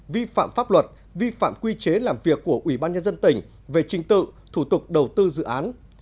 vi phạm pháp luật vi phạm quy chế làm việc của ubnd về trình tự thủ tục đầu tư dự án